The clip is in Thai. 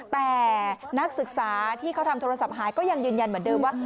แต่นักศึกษาที่เขาทำโทรศัพท์หายก็ยังยืนยันเหมือนเดิมว่า